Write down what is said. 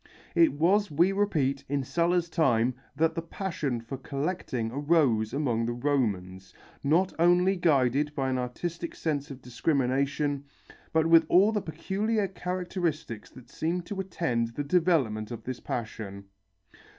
It was, we repeat, in Sulla's time that the passion for collecting arose among the Romans, not only guided by an artistic sense of discrimination, but with all the peculiar characteristics that seem to attend the development of this passion.